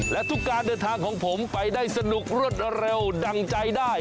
และทุกการเดินทางของผมไปได้สนุกรวดเร็วดั่งใจได้